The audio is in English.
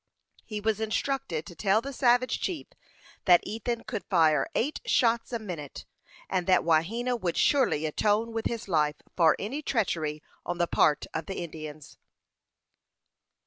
He was instructed to tell the savage chief that Ethan could fire eight shots a minute, and that Wahena would surely atone with his life for any treachery on the part of the Indians.